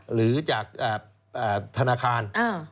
หรือจากธนาคาร